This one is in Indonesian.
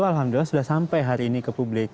alhamdulillah sudah sampai hari ini ke publik